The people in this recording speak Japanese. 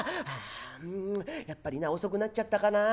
ああうんやっぱりな遅くなっちゃったかな。